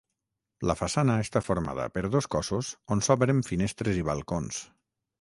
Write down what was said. La façana està formada per dos cossos on s'obren finestres i balcons.